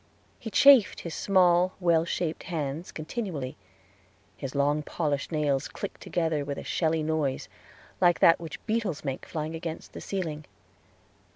He chafed his small, well shaped hands continually; his long polished nails clicked together with a shelly noise, like that which beetles make flying against the ceiling.